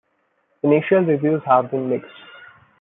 Initial reviews have been mixed.